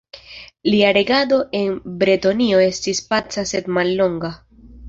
Lia regado en Bretonio estis paca sed mallonga.